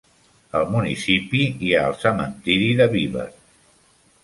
Al municipi hi ha el cementiri de Beaver.